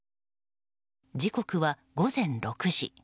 時刻は午前６時。